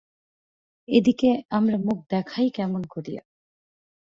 এ দিকে, আমরা মুখ দেখাই কেমন করিয়া?